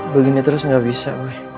begini terus gak bisa